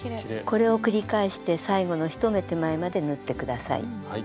これを繰り返して最後の１目手前まで縫って下さい。